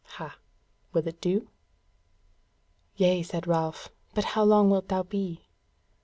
Ha? Will it do?" "Yea," said Ralph, "but how long wilt thou be?"